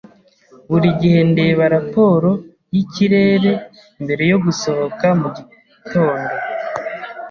Buri gihe ndeba raporo yikirere mbere yo gusohoka mugitondo.